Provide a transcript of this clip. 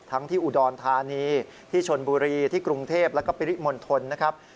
ที่อุดรธานีที่ชนบุรีที่กรุงเทพแล้วก็ปริมณฑลนะครับ